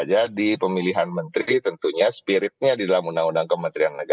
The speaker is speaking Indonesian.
jadi pemilihan menteri tentunya spiritnya di dalam undang undang kementerian negara